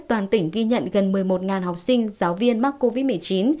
toàn tỉnh ghi nhận gần một mươi một học sinh giáo viên mắc covid một mươi chín